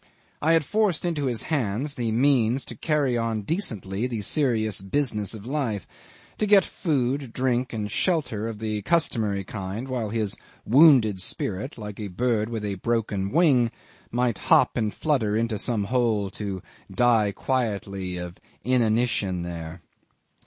I had forced into his hand the means to carry on decently the serious business of life, to get food, drink, and shelter of the customary kind while his wounded spirit, like a bird with a broken wing, might hop and flutter into some hole to die quietly of inanition there.